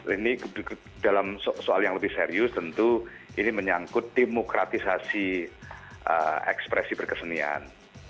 ini dalam soal yang lebih serius tentu ini menyangkut demokratisasi ekspresi berkesenian